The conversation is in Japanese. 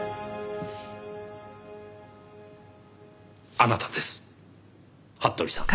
あなたです服部さん。